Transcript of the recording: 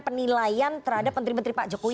penilaian terhadap menteri menteri pak jokowi